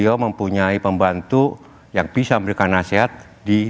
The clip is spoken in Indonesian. beliau mempunyai pembantu yang bisa memberikan nasihat di dalam forum one team press